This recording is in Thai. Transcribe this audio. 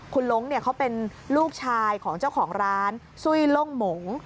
คุณล้งเขาเป็นลูกชายของเจ้าของร้านซุ้ยล่งหมง